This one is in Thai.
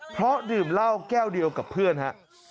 เพราะดื่มเหล้าแก้วเดียวกับเพื่อนฮะ